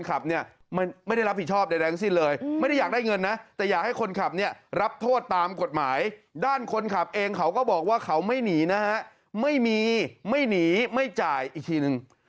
เราไม่หนีนะฮะไม่มีไม่หนีไม่จ่ายอีกทีนึง